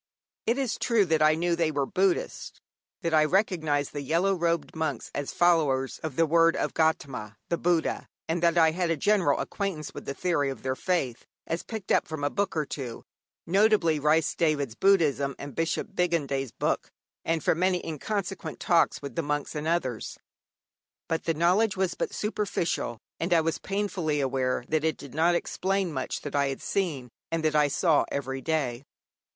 It is true that I knew they were Buddhists, that I recognized the yellow robed monks as followers of the word of Gaudama the Buddha, and that I had a general acquaintance with the theory of their faith as picked up from a book or two notably, Rhys Davids' 'Buddhism' and Bishop Bigandet's book and from many inconsequent talks with the monks and others. But the knowledge was but superficial, and I was painfully aware that it did not explain much that I had seen and that I saw every day.